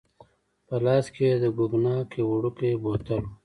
په لاس کې يې د کوګناک یو وړوکی بوتل وو.